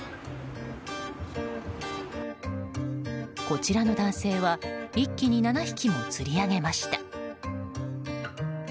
こちらの男性は一気に７匹も釣り上げました。